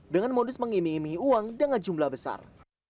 dengan modus mengiming imingi uang dengan jumlah besar